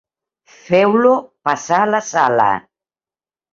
Feu-lo passar a la sala.